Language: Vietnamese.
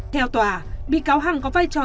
theo tòa bị cáo hằng có vai trò